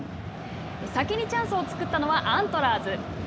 先にチャンスを作ったのはアントラーズ。